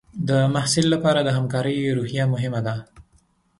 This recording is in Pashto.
د محصل لپاره د همکارۍ روحیه مهمه ده.